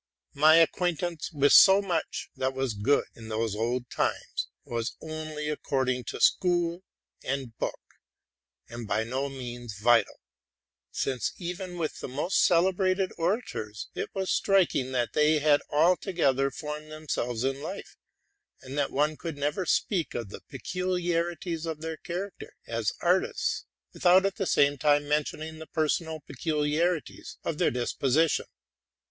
My acquaintance with so much that was good in these old times, was only according to school and book, and by no means vital; since, even with the most celebrated orators, it was striking that they had altogether formed themselves in life, and that one could never speak of the peculiarities of their character as artists, without at the same time mentioning the personal peculiarities of their disposi tion.